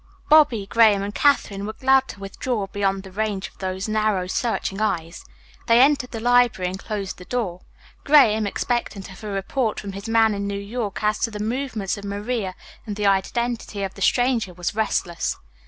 Bobby, Graham, and Katherine were glad to withdraw beyond the range of those narrow, searching eyes. They entered the library and closed the door. Graham, expectant of a report from his man in New York as to the movements of Maria and the identity of the stranger, was restless.